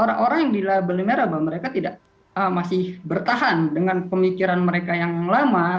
orang orang yang di label merah bahwa mereka tidak masih bertahan dengan pemikiran mereka yang lama